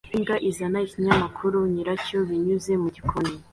Imbwa izana ikinyamakuru nyiracyo binyuze mu gikoni